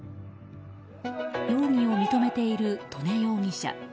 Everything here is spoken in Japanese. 容疑を認めている刀祢容疑者。